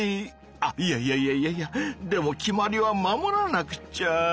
あいやいやいやいやいやでも決まりは守らなくちゃ！